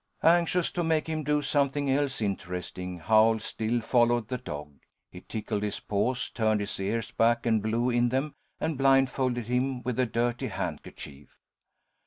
Anxious to make him do something else interesting, Howl still followed the dog. He tickled his paws, turned his ears back and blew in them and blindfolded him with a dirty handkerchief.